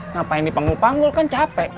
ngapain dipanggul panggul kan capek